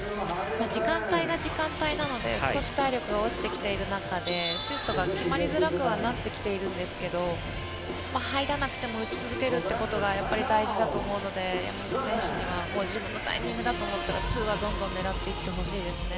時間帯が時間帯なので少し体力が落ちてきている中でシュートが決まりづらくはなってきているんですが入らなくても打ち続けるっていうことが大事だと思うので山本選手には自分のタイミングでツーはどんどん狙っていってほしいですね。